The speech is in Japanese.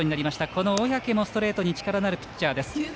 この小宅もストレートに力のあるピッチャーです。